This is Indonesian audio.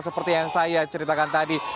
seperti yang saya ceritakan tadi